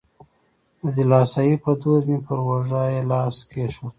د دلاسایي په دود مې پر اوږه یې لاس کېښود.